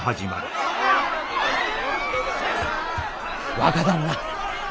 ・若旦那！